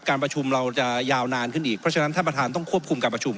การประชุมเราจะยาวนานขึ้นอีกเพราะฉะนั้นท่านประธานต้องควบคุมการประชุม